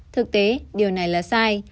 thực tế điều này là sai